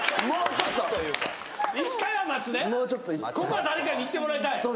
もうちょっとここは誰かにいってもらいたい？